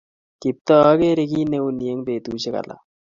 Kiptooo agere kit neu ni eng betusiek alak